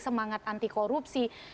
semangat anti korupsi